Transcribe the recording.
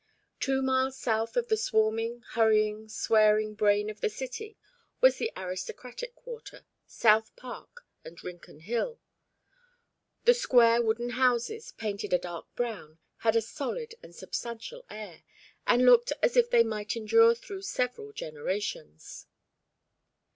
Two miles south of the swarming, hurrying, swearing brain of the city was the aristocratic quarter, South Park and Rincon Hill. The square wooden houses, painted a dark brown, had a solid and substantial air, and looked as if they might endure through several generations.